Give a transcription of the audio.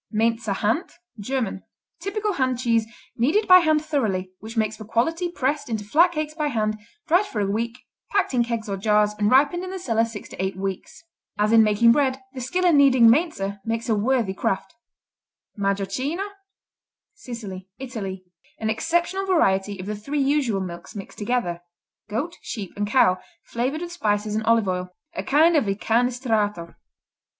Mainzer Hand German Typical hand cheese, kneaded by hand thoroughly, which makes for quality, pressed into flat cakes by hand, dried for a week, packed in kegs or jars and ripened in the cellar six to eight weeks. As in making bread, the skill in kneading Mainzer makes a worthy craft. Majocchino Sicily, Italy An exceptional variety of the three usual milks mixed together: goat, sheep and cow, flavored with spices and olive oil. A kind of Incanestrato.